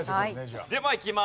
ではいきます。